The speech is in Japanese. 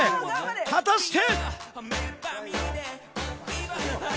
果たして。